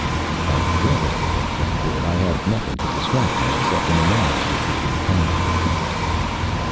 "I've read all the books on board. I have nothing to distract me except an analysis of your character."